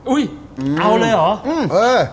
อุ๊ยเอาเลยเหรอ